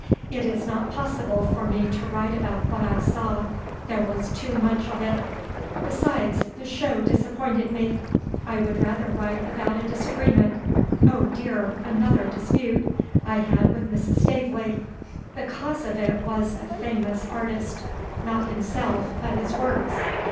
It is not possible for me to write about what I saw: there was too much of it. Besides, the show disappointed me. I would rather write about a disagreement (oh, dear, another dispute!) I had with Mrs. Staveley. The cause of it was a famous artist; not himself, but his works.